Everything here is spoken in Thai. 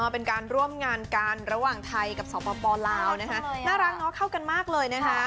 เป็นการร่วมงานกันระหว่างไทยกับสปลาวนะคะน่ารักเนาะเข้ากันมากเลยนะคะ